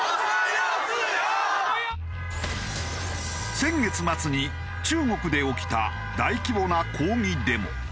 先月末に中国で起きた大規模な抗議デモ。